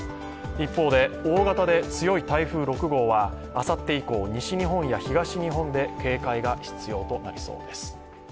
一方で、大型で強い台風６号はあさって以降、西日本や東日本で警戒が必要となりそうです。